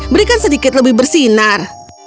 berikan sedikit lebih bersinar